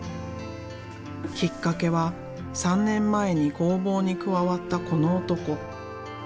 きっかけは３年前に工房に加わったこの男。